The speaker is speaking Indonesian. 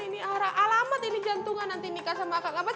saya mah jantungan ini alamat ini jantungan nanti nikah sama akang abah